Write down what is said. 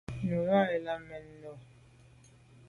Nu i làn me lèn o.